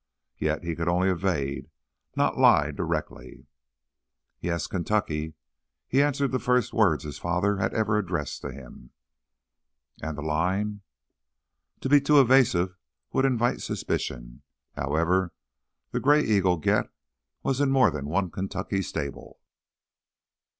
Yet he could only evade, not lie directly. "Yes, Kentucky." He answered the first words his father had ever addressed to him. "And the line?" To be too evasive would invite suspicion. However, the Gray Eagle get was in more than one Kentucky stable.